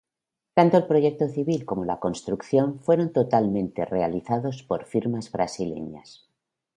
Tanto el proyecto civil como la construcción fueron totalmente realizados por firmas brasileñas.